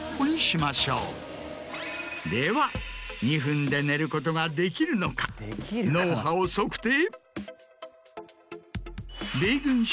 では２分で寝ることができるのか脳波を測定。